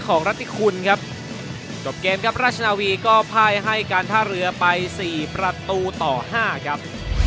รัฐติคุณครับจบเกมครับราชนาวีก็ไพ่ให้การท่าเรือไปสี่ประตูต่อห้าครับ